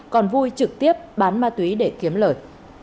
còn vui trực tiếp bán ma túy để kiếm lời